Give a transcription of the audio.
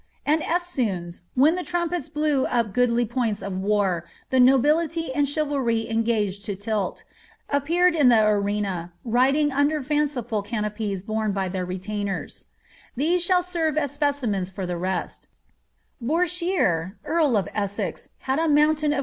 And eftsoons, when the trumpets blew up goodly points of war, the nobility and chivalry engaged to tilt, appeared in the arena, riding under fanciful canopies borne by their retainers ;" these shall serve a* specimens for the rest :^ Bourshier, earl of Essex, had a mountain of